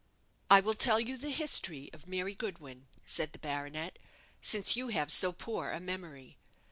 "I will tell you the history of Mary Goodwin," said the baronet, "since you have so poor a memory.